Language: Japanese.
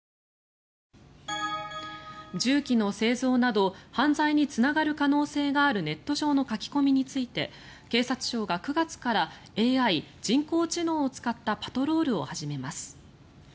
銃器の製造など犯罪につながる可能性があるネット上の書き込みについて警察庁が９月からＡＩ・人工知能を使ったパトロールを始めます。